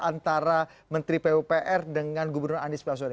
apa konteks perbedaan pendapat antara menteri pppr dengan gubernur anies baswani